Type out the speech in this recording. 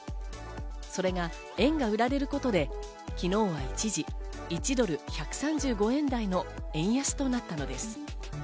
それが円が売られることで昨日は一時、１ドル＝１３５円台の円安となったのです。